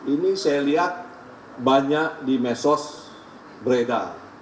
ini saya lihat banyak di mesos beredar